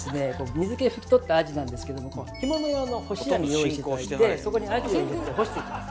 水け拭き取ったアジなんですけども干物用の干し網用意しましてそこにアジを入れて干していきます。